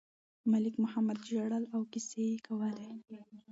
ملک محمد ژړل او کیسې یې کولې.